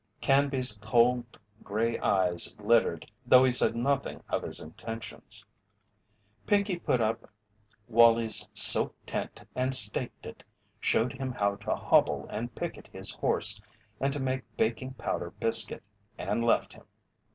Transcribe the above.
Canby's cold gray eyes glittered, though he said nothing of his intentions. Pinkey put up Wallie's silk tent and staked it, showed him how to hobble and picket his horse and to make baking powder biscuit, and left him.